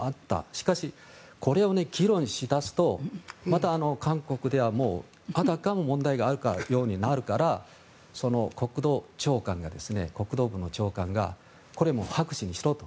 しかし、これを議論し出すとまた韓国ではもう、あたかも問題があるかのようになるから国土部の長官がこれは白紙にしろって。